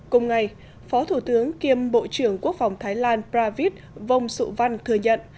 cùng ngày phó thủ tướng kiêm bộ trưởng quốc phòng thái lan pravit vong su van thừa nhận